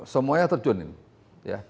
semuanya terjun ini